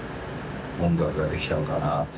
音楽ができたのかなって。